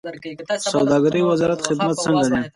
د سوداګرۍ وزارت خدمات څنګه دي؟